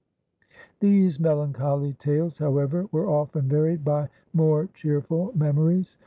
These melancholy tales, however, were often varied by more cheerful memories.